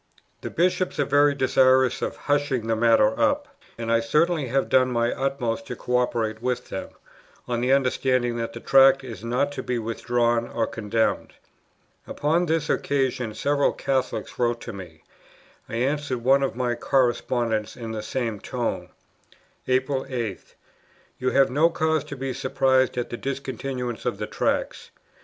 "The Bishops are very desirous of hushing the matter up: and I certainly have done my utmost to co operate with them, on the understanding that the Tract is not to be withdrawn or condemned." Upon this occasion several Catholics wrote to me; I answered one of my correspondents in the same tone: "April 8. You have no cause to be surprised at the discontinuance of the Tracts.